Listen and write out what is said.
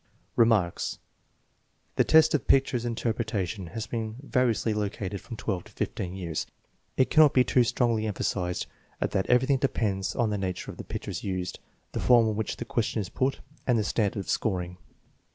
Remarks. The test of picture interpretation has been variously located from 1 to 15 years. It cannot be too strongly emphasized that everything depends on the na ture of the pictures used, the form in which the question is put, and the standard for scoring.